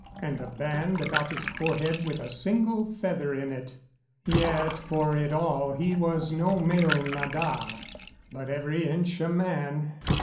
And a band about his forehead with a single feather in it. Yet, for it all, he was no male nada, but every inch a man.